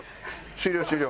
終了終了。